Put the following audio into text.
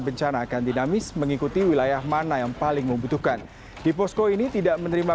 bencana akan dinamis mengikuti wilayah mana yang paling membutuhkan di posko ini tidak menerima